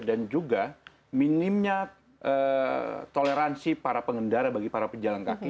dan juga minimnya toleransi para pengendara bagi para pejalan kaki